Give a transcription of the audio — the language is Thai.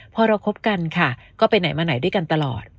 พอเราคบกันค่ะก็ไปไหนมาไหนด้วยกันตลอด